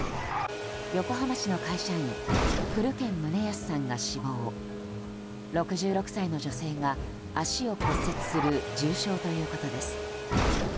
横浜市の会社員古堅宗康さんが死亡６６歳の女性が足を骨折する重傷ということです。